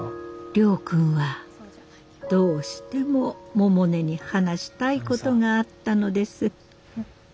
亮君はどうしても百音に話したいことがあったのです。